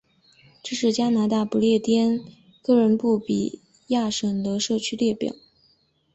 这是加拿大不列颠哥伦比亚省的社区列表。